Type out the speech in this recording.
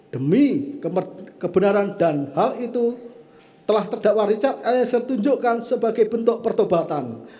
demi kebenaran dan hal itu telah terdakwa richard eliezer tunjukkan sebagai bentuk pertobatan